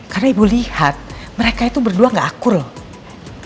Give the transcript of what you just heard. karena ibu lihat mereka itu berdua gak akur loh